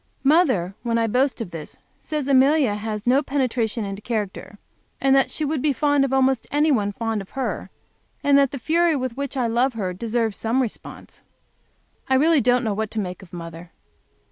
Mother, when I boast of this, says she has no penetration into character, and that she would be fond of almost any one fond of her; and that the fury with which I love her deserves some response. I really don't know what to make of mother.